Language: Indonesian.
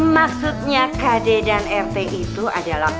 maksudnya kd dan rt itu adalah